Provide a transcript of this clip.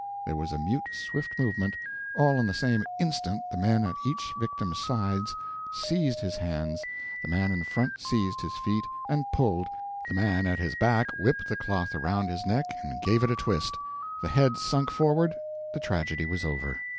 There was a mute swift movement, all in the same instant the men at each victim's sides seized his hands, the man in front seized his feet, and pulled, the man at his back whipped the cloth around his neck and gave it a twist the head sunk forward, the tragedy was over.